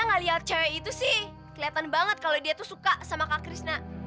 ngeliat cewek itu sih kelihatan banget kalau dia tuh suka sama kak krishna